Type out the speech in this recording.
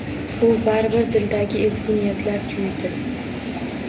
U baribir diliga ezgu-niyatlar tuydi